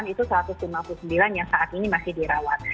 itu satu ratus lima puluh sembilan yang saat ini masih dirawat